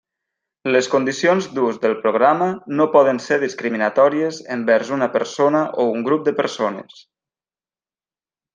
Les condicions d'ús del programa no poden ser discriminatòries envers una persona o un grup de persones.